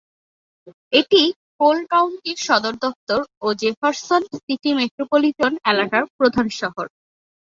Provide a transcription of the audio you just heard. এটি কোল কাউন্টির সদর দপ্তর ও জেফারসন সিটি মেট্রোপলিটন এলাকার প্রধান শহর।